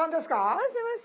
もしもし。